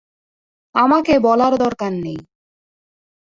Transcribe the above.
আমাকে বলার দরকার নেই।